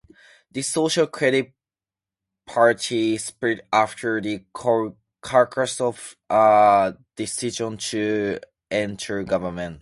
The Social Credit Party split after the caucus's decision to enter government.